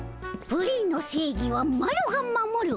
プリンの正義はマロが守る。